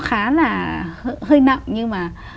khá là hơi nặng nhưng mà